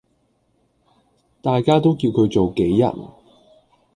大家都叫佢做杞人